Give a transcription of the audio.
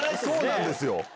そうなんですよ。